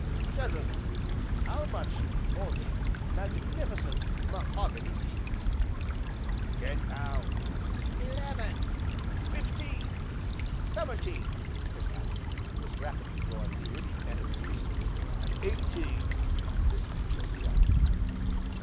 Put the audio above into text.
Gentlemen, how much for this magnificent, mahogany piece?" "Ten pound!" "Eleven!" "Fifteen!" "Seventeen!" said Adam, who was rapidly drawing near the end of his resources. "Eighteen!" This from Job Jagway.